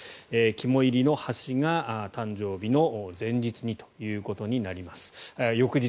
肝煎りの橋が、誕生日の翌日にということになります。